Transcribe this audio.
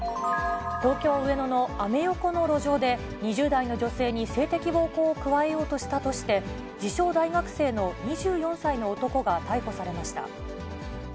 東京・上野のアメ横の路上で、２０代の女性に性的暴行を加えようとしたとして、自称大学生の２４歳の男が逮捕されました。